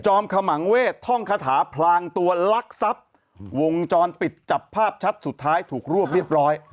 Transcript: ขมังเวทท่องคาถาพลางตัวลักทรัพย์วงจรปิดจับภาพชัดสุดท้ายถูกรวบเรียบร้อย